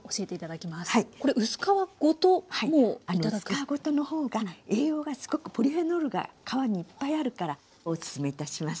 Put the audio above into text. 薄皮ごとの方が栄養がすごくポリフェノールが皮にいっぱいあるからおすすめいたします。